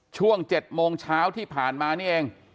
ช่วง๗โมงเช้าที่ผ่านมานี่เอง